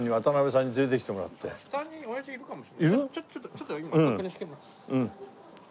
ちょっと今確認してみます。